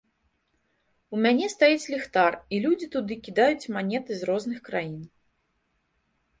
У мяне стаіць ліхтар, і людзі туды кідаюць манеты з розных краін.